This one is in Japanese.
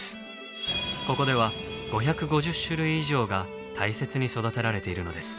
ここでは５５０種類以上が大切に育てられているのです。